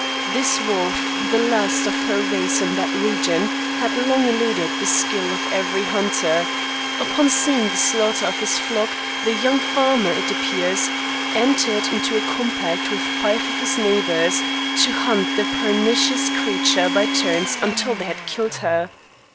This wolf, the last of her race in that region, had long eluded the skill of every hunter. Upon seeing the slaughter of his flock, the young farmer, it appears, entered into a compact with five of his neighbors to hunt the pernicious creature by turns until they had killed her.